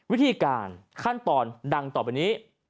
วิธีการขั้นตอนดังต่อไปนี้